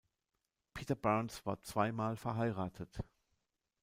Peter Barnes war zweimal verheiratet.